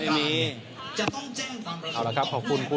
อันนี้จะต้องจับเบอร์เพื่อที่จะแข่งกันแล้วคุณละครับ